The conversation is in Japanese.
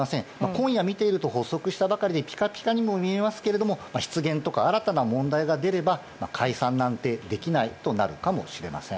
今夜、見ていると発足したばかりでピカピカにも見えますけれども失言とか新たな問題が出れば解散なんてできないとなるかもしれません。